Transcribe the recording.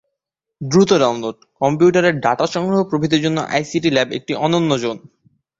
দ্রুত ডাউনলোড, কম্পিউটারে ডাটা সংগ্রহ প্রভৃতির জন্য আইসিটি ল্যাব একটি অনন্য জোন।